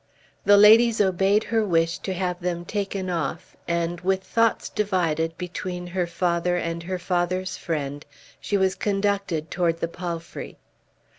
The ladies obeyed her wish to have them taken off, and with thoughts divided between her father and her father's friend, she was conducted toward the palfrey.